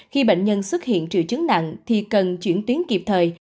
khi bệnh nhân xuất hiện triệu chứng nặng thì cần chuyển tuyến kịp thời